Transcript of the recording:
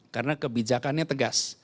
karena kebijakannya tegas